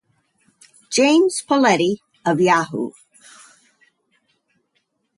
James Poletti of Yahoo!